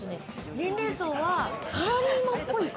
年齢層はサラリーマンっぽい方。